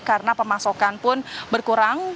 karena pemasokan pun berkurang